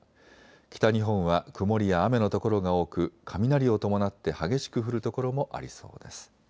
北日本は曇りや雨の所が多く雷を伴って激しく降る所もありそうです。